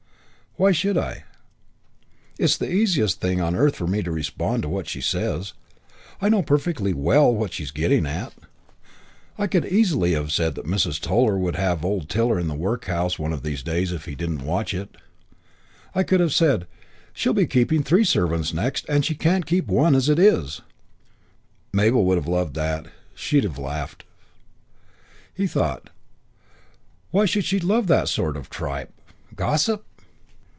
Why should I? It's the easiest thing on earth for me to respond to what she says. I know perfectly well what she's getting at. I could easily have said that Mrs. Toller would have old Toller in the workhouse one of these days if he didn't watch it. I could have said, 'She'll be keeping three servants next, and she can't keep one as it is.' Mabel would have loved that. She'd have laughed." He thought, "Why should she love that sort of tripe gossip?"